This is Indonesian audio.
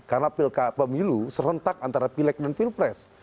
karena pemilu serentak antara pilek dan pilpres